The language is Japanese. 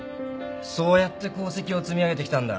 そうやって功績を積み上げてきたんだ。